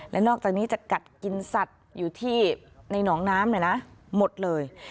และนอกจากนี้จะกัดกินสัตว์อยู่ที่ในหนองน้ำหมดเลย